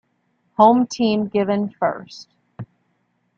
Home team given first.